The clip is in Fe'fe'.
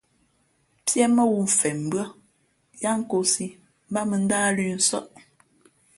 Píé mά wū mfen mbʉ́ά yáá nkōsī mbát mᾱ ndáh lʉ̄ nsάʼ.